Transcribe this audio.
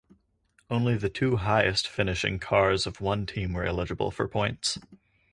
Only the two highest finishing cars of one team were eligible for points.